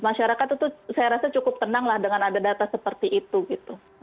masyarakat itu saya rasa cukup tenang lah dengan ada data seperti itu gitu